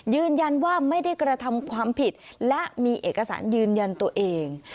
ยืนยันว่าไม่ได้กระทำความผิดและมีเอกสารยืนยันตัวเอง